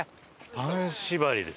パン縛りで。